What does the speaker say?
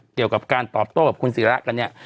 เกี่ยวกับการตอบโต้กับคุณศิระกันเนี่ย